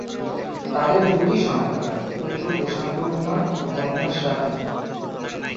তাদের দুটি সন্তান, পুত্র প্রশান্ত কুমার ও কন্যা স্বাতী।